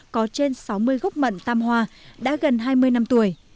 có trên sáu mươi gốc mận tam hoa đã gần hai mươi năm tuổi